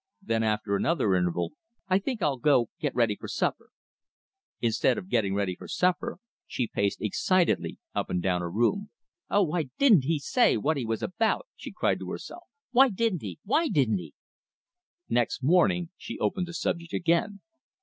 Then after another interval, "I think I'll go get ready for supper." Instead of getting ready for supper, she paced excitedly up and down her room. "Oh, why DIDN'T he say what he was about?" she cried to herself. "Why didn't he! Why didn't he!" Next morning she opened the subject again.